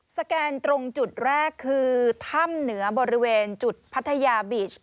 แกนตรงจุดแรกคือถ้ำเหนือบริเวณจุดพัทยาบีช